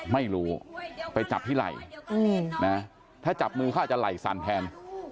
ไม่รู้ไปจับที่ไหล่ถ้าจับมือเขาอาจจะไหล่สั่นแทน